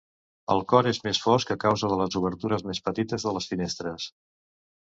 El cor és més fosc a causa de les obertures més petites de les finestres.